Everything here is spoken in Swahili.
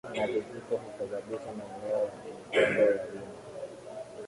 na vijito husababisha maeneo ya mikondo ya wima